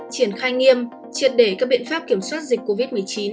triển khai nghiêm triệt để các biện pháp kiểm soát dịch covid một mươi chín